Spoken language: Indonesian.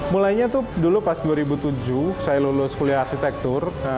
mulainya tuh dulu pas dua ribu tujuh saya lulus kuliah arsitektur